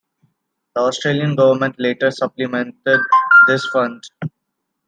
The Australian Government later supplemented this fund.